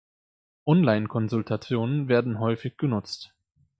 Online-Konsultationen werden häufig genutzt.